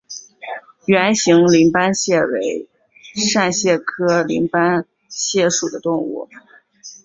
圆形鳞斑蟹为扇蟹科鳞斑蟹属的动物。